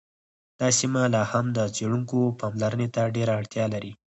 دا سیمه لا هم د څیړونکو پاملرنې ته ډېره اړتیا لري